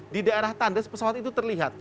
di daerah tandas pesawat itu terlihat